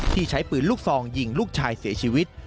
ใช้ปืนลูกซองยิงลูกชายเสียชีวิต